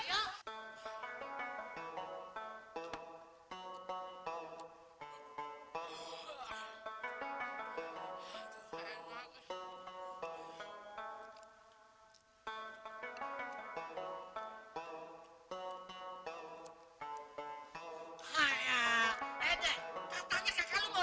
ini untuk slp polen siapa pun